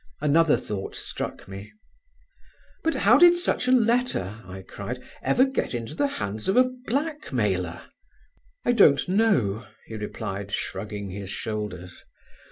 Another thought struck me. "But how did such a letter," I cried, "ever get into the hands of a blackmailer?" "I don't know," he replied, shrugging his shoulders.